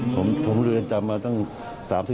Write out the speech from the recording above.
ผมเรือนจำมาตั้ง๓๐๔๐ปีครับ